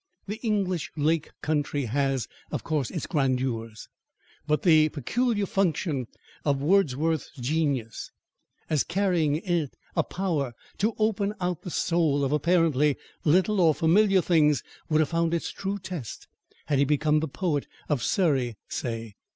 The English lake country has, of course, its grandeurs. But the peculiar function of Wordsworth's genius, as carrying in it a power to open out the soul of apparently little or familiar things, would have found its true test had he become the poet of Surrey, say!